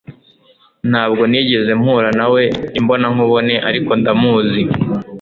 Ntabwo nigeze mpura nawe imbonankubone ariko ndamuzi